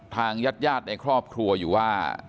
ทางญาติญาติในครอบครัวอยู่ว่า